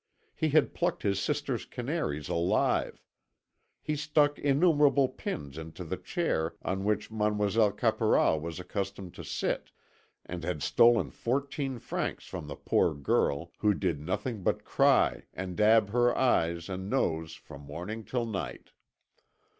He had plucked his sister's canaries alive; he stuck innumerable pins into the chair on which Mademoiselle Caporal was accustomed to sit, and had stolen fourteen francs from the poor girl, who did nothing but cry and dab her eyes and nose from morning till night.